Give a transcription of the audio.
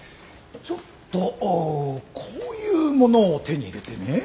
ちょっとこういうものを手に入れてね。